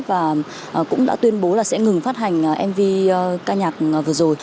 và cũng đã tuyên bố là sẽ ngừng phát hành mv ca nhạc vừa rồi